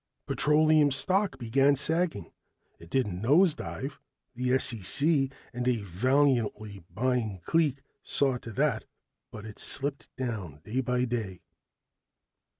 Petroleum stock began sagging. It didn't nosedive the SEC and a valiantly buying clique saw to that but it slipped down day by day.